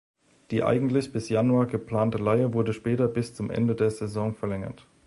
Die eigentlich bis Januar geplante Leihe wurde später bis zum Ende der Saison verlängert.